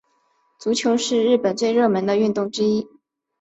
足球是日本最热门的运动之一。